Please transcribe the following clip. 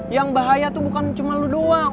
yang bahaya tuh bukan cuman lu doang